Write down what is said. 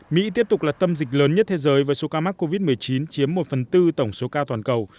mỹ tiếp tục là tâm dịch lớn nhất thế giới với số ca mắc covid một mươi chín chiếm một phần tư tổng số ca toàn cầu